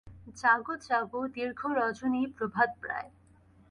জাগো, জাগো, দীর্ঘ রজনী প্রভাতপ্রায়।